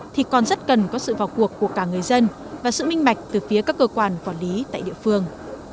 thì còn rất cần có sự vào cuộc của cả người dân và sự minh mạch từ phía các cơ quan quản lý tại địa phương